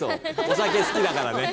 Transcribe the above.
お酒好きだからね。